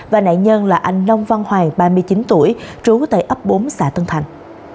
và nại nhân là anh nông văn hoàng ba mươi chín tuổi trú tại ấp bốn xã tân thành